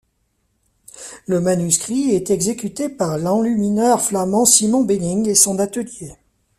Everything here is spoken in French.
Le manuscrit est exécuté par l'enlumineur flamand Simon Bening et son atelier.